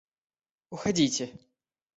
– Уходите!..